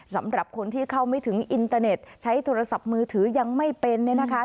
สำหรับคนที่เข้าไม่ถึงอินเตอร์เน็ตใช้โทรศัพท์มือถือยังไม่เป็นเนี่ยนะคะ